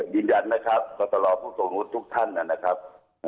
ยืนยันนะครับกรตรอผู้สมมุติทุกท่านนะครับ